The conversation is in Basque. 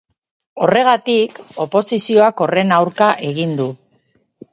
Horregatik, oposizioak horren aurka egin du.